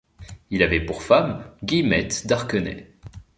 Il avait pour femme Guillemette d'Arquenay.